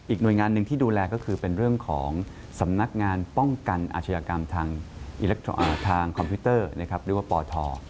หน่วยงานหนึ่งที่ดูแลก็คือเป็นเรื่องของสำนักงานป้องกันอาชญากรรมทางคอมพิวเตอร์หรือว่าปท